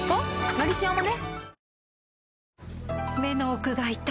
「のりしお」もね